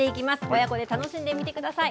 親子で楽しんで見てください。